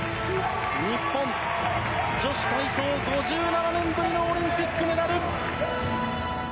日本女子体操、５７年ぶりのオリンピックメダル！